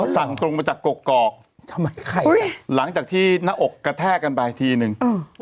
สั่งตรงมาจากกกอกทำไมใครหลังจากที่หน้าอกกระแทกกันไปทีนึง